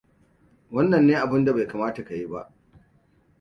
Wannan ne abinda bai kamata ka yi ba.